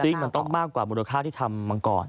ซี๊กมันต้องมากกว่ามูลค่าที่ทำมังกร